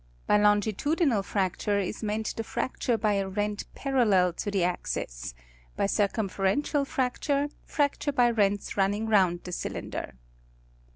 By longitudinal fnicture is meant the fracture by a rent parallel to the axis; by circum ferential fracture, fracture by rents running round the cylinder.